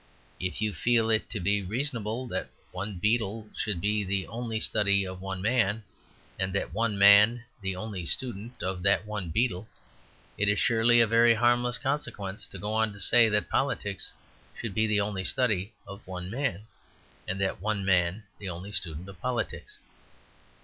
If, you feel it to be reasonable that one beetle should be the only study of one man, and that one man the only student of that one beetle, it is surely a very harmless consequence to go on to say that politics should be the only study of one man, and that one man the only student of politics.